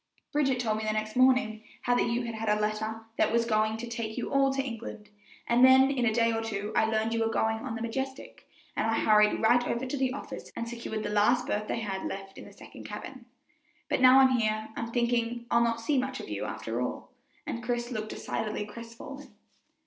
"Bridget told me the next morning how that you had had a letter that was going to take you all to England, and then in a day or two I learned you were going on the Majestic, and I hurried right over to the office and secured the last berth they had left in the second cabin. But now I'm here I'm thinking I'll not see much of you, after all," and Chris looked decidedly crestfallen.